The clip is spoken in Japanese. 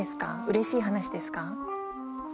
嬉しい話ですか？